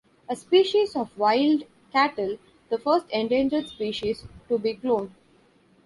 A species of wild cattle, the first endangered species to be cloned.